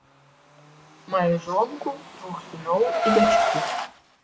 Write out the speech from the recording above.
Мае жонку, двух сыноў і дачку.